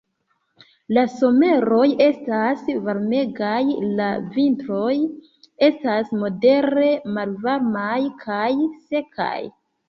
La someroj estas varmegaj, la vintroj estas modere malvarmaj kaj sekaj.